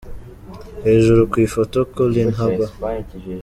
Hejuru ku ifoto : Collin Haba.